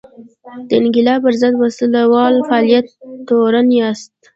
د انقلاب پر ضد په وسله وال فعالیت تورن یاست.